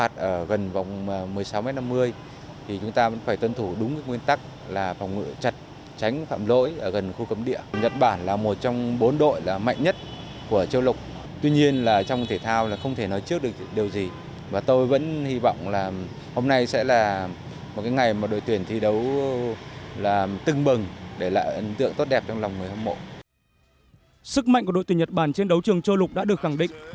sức mạnh của đội tuyển nhật bản trên đấu trường chô lục đã được khẳng định